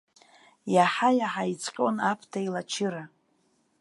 Иаҳа-иаҳа ицҟьон аԥҭа еилачыра.